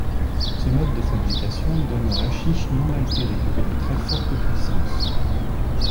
Ce mode de fabrication donne un haschich non altéré et de très forte puissance.